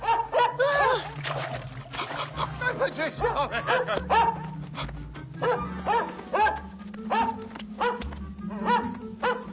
あっ？